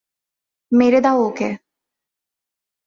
মেরে দাও ওকে।